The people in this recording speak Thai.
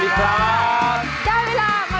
กุกัจะสมาทย์เข้า